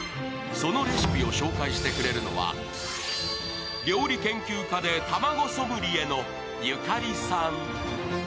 そのレシピを紹介してくれるのは料理研究家でたまごソムリエのゆかりさん。